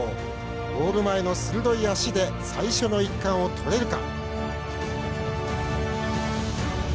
ゴール前の鋭い脚で最初の一冠をとれるか。